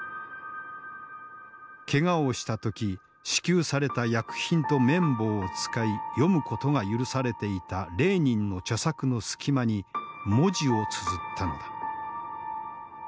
けがをした時支給された薬品と綿棒を使い読むことが許されていたレーニンの著作の隙間に文字をつづったのだ。